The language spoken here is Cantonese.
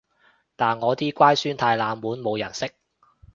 但我啲乖孫太冷門冇人識